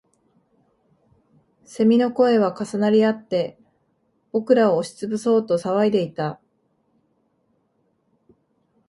蝉の声は重なりあって、僕らを押しつぶそうと騒いでいた